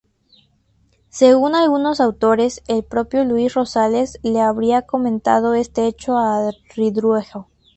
Según algunos autores, el propio Luis Rosales le habría comentado este hecho a Ridruejo.